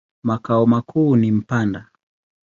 Makao makuu ni Mpanda.